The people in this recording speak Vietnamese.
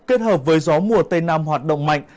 kết hợp với gió mùa tây nam hoạt động mạnh